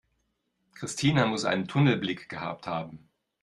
Christina muss einen Tunnelblick gehabt haben.